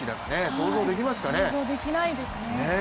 想像できないですね。